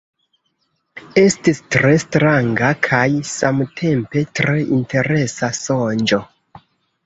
Estis tre stranga, kaj samtempe tre interesa sonĝo.